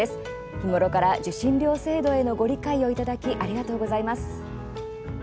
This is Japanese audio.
日頃から受信料制度へのご理解をいただきありがとうございます。